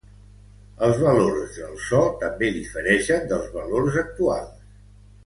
Els valors del so també difereixen dels valors actuals.